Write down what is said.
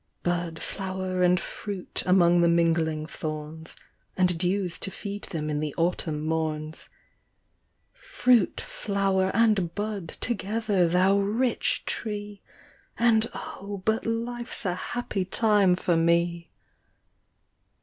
Bud, flower, and fruit, among the mingling thorns ; And dews to feed them in the autumn moms : Fruit, flower, and bud, together, thou rich tree ! And oh but life's a happy time for me